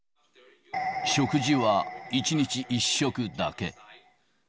食事は１日１食だけ。